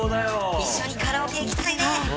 一緒にカラオケ行きたいね。